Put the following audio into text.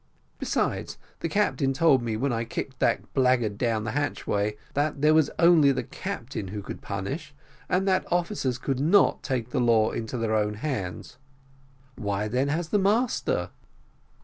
besides, the captain told me when I kicked that blackguard down the hatchway, that there was only the captain who could punish, and that officers could not take the law into their own hands; why then has the master?"